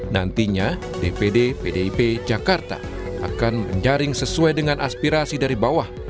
nantinya dpd pdip jakarta akan menjaring sesuai dengan aspirasi dari bawah